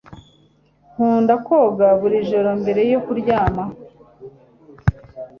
Nkunda koga buri joro mbere yo kuryama